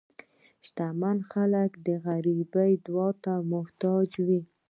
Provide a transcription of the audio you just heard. شتمن خلک د غریب دعا ته محتاج وي.